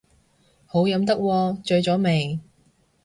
好飲得喎，醉咗未